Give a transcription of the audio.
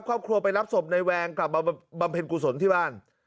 ครอบครัวไปรับศพในแวงกลับมาบำเพ็ญกุศลที่บ้าน